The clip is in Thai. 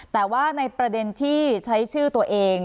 แต่ว่าในประเด็นที่ใช้ชื่อตัวเอง